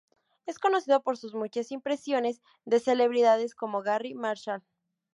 Es conocido por sus muchas impresiones de celebridades, como Garry Marshall.